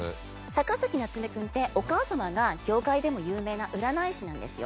逆先夏目君ってお母様が業界でも有名な占い師なんですよ。